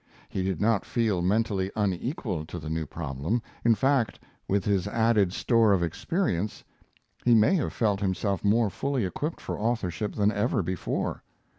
He did not feel mentally unequal to the new problem; in fact, with his added store of experience, he may have felt himself more fully equipped for authorship than ever before.